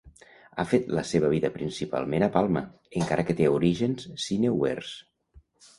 Ha fet la seva vida principalment a Palma, encara que té orígens sineuers.